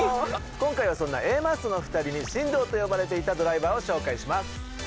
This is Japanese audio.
今回はそんなＡマッソの２人に神童と呼ばれていたドライバーを紹介します。